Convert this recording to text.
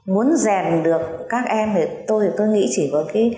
muốn rèn được các em thì tôi nghĩ chỉ có cái